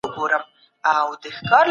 آیا تاسو په خپل ژوند کي ښه خلک پېژنئ؟